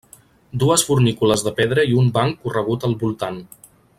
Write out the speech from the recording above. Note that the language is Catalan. Dues fornícules de pedra i un banc corregut al voltant.